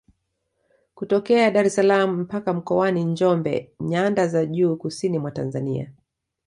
Kutokea Dar es salaam mpaka Mkoani Njombe nyanda za juu kusini mwa Tanzania